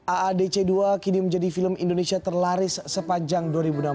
aadc dua kini menjadi film indonesia terlaris sepanjang dua ribu enam belas